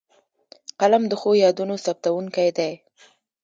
قلم د ښو یادونو ثبتوونکی دی